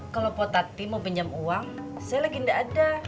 kalau po tati mau benjam uang saya lagi enggak ada